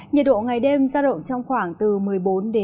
nhiệt độ ngày đêm ra động trong khoảng từ một mươi bốn hai mươi tám độ